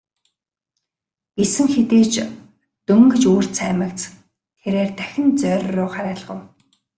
Гэсэн хэдий ч дөнгөж үүр цаймагц тэрээр дахин зоорьруу харайлгав.